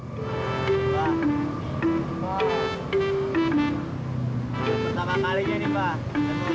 pertama kalinya ini pak